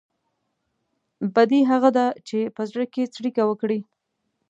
بدي هغه ده چې په زړه کې څړيکه وکړي.